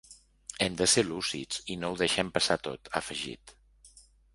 Hem de ser lúcids i no ho deixem passar tot, ha afegit.